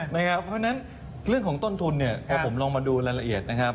เพราะฉะนั้นเรื่องของต้นทุนพอผมลองมาดูรายละเอียดนะครับ